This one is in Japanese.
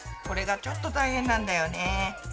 これがちょっと大変なんだよね。